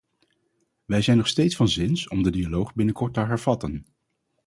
Wij zijn nog steeds van zins om de dialoog binnenkort te hervatten.